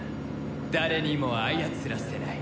誰にも操らせない。